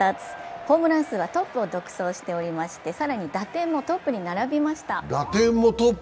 ホームラン数はトップを独走しておりまして更に打点もトップに並びました。